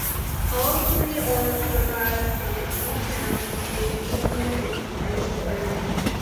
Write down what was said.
All three are derived from "new town" in Norman and French word.